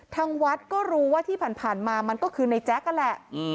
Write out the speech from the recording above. ทางวัดก็รู้ว่าที่ผ่านมามันก็คือในแจ๊คนั่นแหละ